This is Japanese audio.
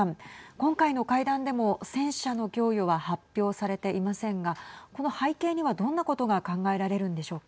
今回の会談でも戦車の供与は発表されていませんがこの背景にはどんなことが考えられるんでしょうか。